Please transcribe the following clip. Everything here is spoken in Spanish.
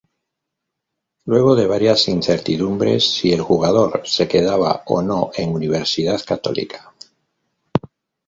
Luego de varias incertidumbres si el jugador se quedaba o no en Universidad Católica.